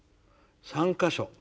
３か所。